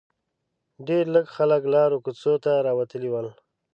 ډېر لږ خلک لارو کوڅو ته راوتلي ول.